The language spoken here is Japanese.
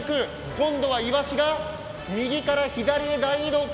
今度はイワシが右から左へ大移動か。